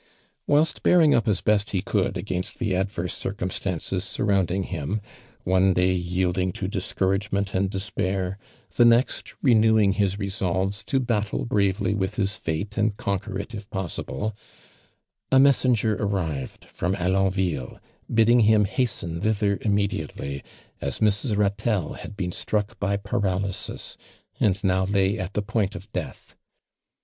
Whilst bearing up as best he could against the adverse circumstances surround ing him, one day yielding to discouragement and despair, the next, renewing his re^solves to battle bravely with his fate and conquer it if possible, a messenger arrived from Alonville, bidding him hasten thither imme diately, as Mrs. Hatelle had been struck by paralysis and now lay at the point of death.